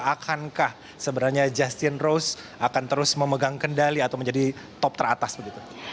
akankah sebenarnya justin rose akan terus memegang kendali atau menjadi top teratas begitu